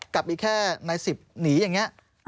กลับอีกแค่ในสิบหนีอย่างนี้